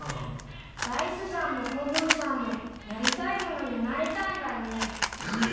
ダイスさんも子分さんもなりたいものになれたんだね。